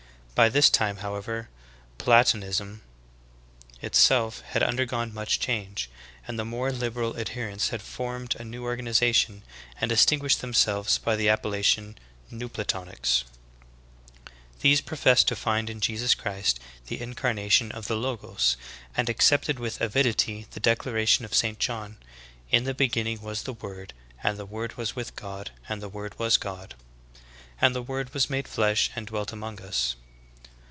By this time, how ever, Platonism itself had undergone much change, and the more liberal adherents had formed a new organization and distinguished themselves by the appellation New Platonics. PLATONISM. 101 These professed to find in Jesus Christ the incarnation of the Logos, and accepted with avidity the declaration of St. John; 'In the beginning was the Word, and the Word was with God, and the Word was God. h= And the Word was made flesh and dweh among us."''